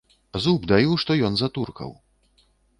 Зуб даю, што ён за туркаў!